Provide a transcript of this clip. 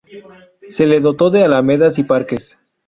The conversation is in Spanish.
Se le dotó de alamedas y parques.